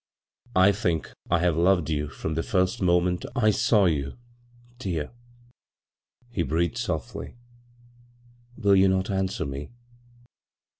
"I think I have loved you from the first moment I saw you — dear," he breathed softly. " Will you not answer me